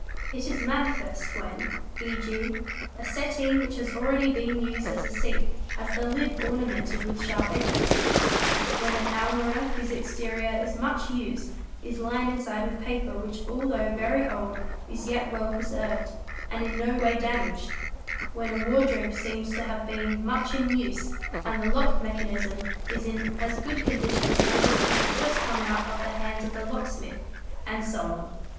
It is 106 842 CHEATING AND FRAUD manifest when, e.g., a settee which has already been used as a seat has ~ the lid ornamented with sharp edges ;—when an almirah whose exterior — is much used is lined inside with paper which although very old is yet well preserved and in no way damaged ;—when a wardrobe seems to have been much in use and the lock mechanism is in as good condition — as if it had just come out of the hands of the locksmith,—and so on.